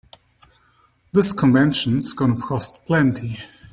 This convention's gonna cost plenty.